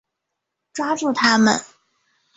抓住他们！